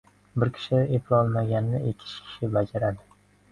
• Bir kishi eplolmaganini ikki kishi bajaradi.